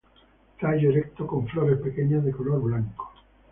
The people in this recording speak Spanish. Tallo erecto con flores pequeñas de color blanco.